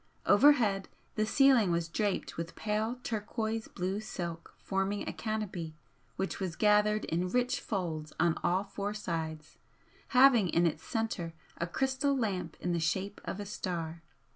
Overhead the ceiling was draped with pale turquoise blue silk forming a canopy, which was gathered in rich folds on all four sides, having in its centre a crystal lamp in the shape of a star.